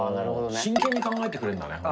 真剣に考えてくれるんだね。